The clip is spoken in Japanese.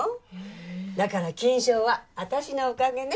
だから金賞は私のおかげね。